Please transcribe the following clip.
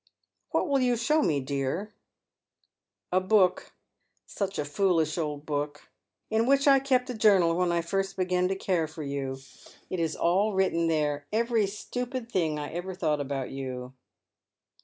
•* What will you show me, dear ?•* Mr. Leviaon Cross examines if53 "A book — such a foolish old book — ^in which 1 kept a journal when I first began to care for you. It is all written there, every Btupid thing 1 ever thought about you."